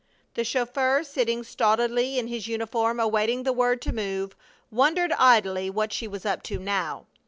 The chauffeur, sitting stolidly in his uniform, awaiting the word to move, wondered idly what she was up to now.